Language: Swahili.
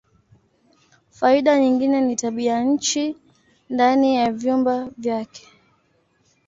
Faida nyingine ni tabianchi ndani ya vyumba vyake.